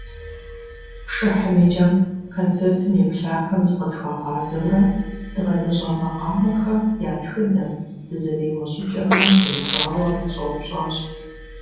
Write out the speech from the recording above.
Пшыхьым и кӀэм концертым еплъахэм зыкъытхуагъазэурэ дгъэзэщӀа макъамэхэм я тхыдэм, дызэреуэ щӀыкӀэхэм теухуауэ щӀэупщӀащ.